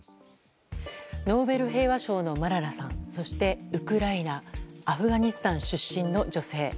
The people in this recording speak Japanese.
ノーベル平和賞のマララさんそして、ウクライナアフガニスタン出身の女性。